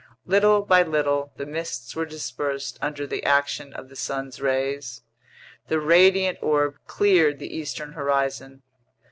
Little by little, the mists were dispersed under the action of the sun's rays. The radiant orb cleared the eastern horizon.